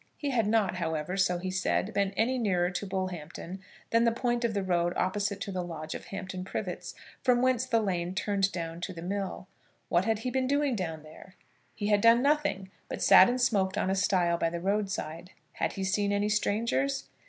He had not, however, so he said, been any nearer to Bullhampton than the point of the road opposite to the lodge of Hampton Privets, from whence the lane turned down to the mill. What had he been doing down there? He had done nothing, but sat and smoked on a stile by the road side. Had he seen any strangers?